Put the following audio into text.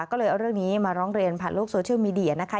ก็เลยเอาเรื่องนี้มาร้องเรียนผ่านโลกโซเชียลมีเดียนะคะ